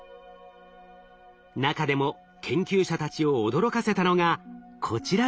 中でも研究者たちを驚かせたのがこちらの画像。